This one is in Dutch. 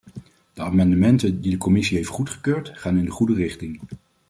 De amendementen die de commissie heeft goedgekeurd gaan in de goede richting.